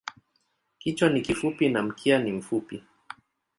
Kichwa ni kifupi na mkia ni mfupi.